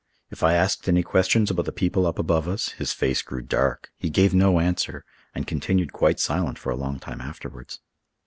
If I asked any questions about the people up above us, his face grew dark, he gave no answer, and continued quite silent for a long time afterwards.